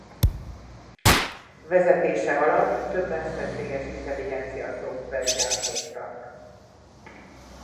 Vezetése alatt több mesterséges intelligencia szoftvert gyártottak.